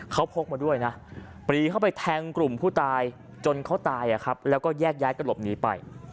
เขาพกมาด้วยนะปรีเข้าไปแทงกลุ่มผู้ตายจนเขาตายแล้วก็แยกย้ายกระหลบหนีไป